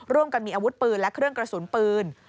ร่วมกันมีอาวุธปืนและเครื่องกระสุนปืน